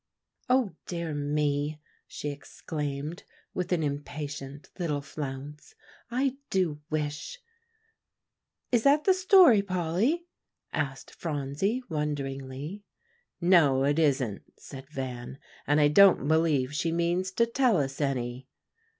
"Oh, dear me!" she exclaimed with an impatient little flounce, "I do wish" "Is that the story, Polly?" asked Phronsie wonderingly. "No, it isn't," said Van. "And I don't believe she means to tell us any."